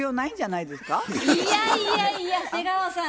いやいやいや瀬川さん